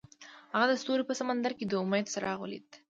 هغه د ستوري په سمندر کې د امید څراغ ولید.